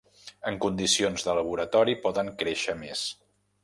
En condicions de laboratori poden créixer més.